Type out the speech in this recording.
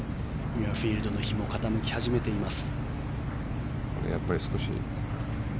ミュアフィールドの日も傾き始めています。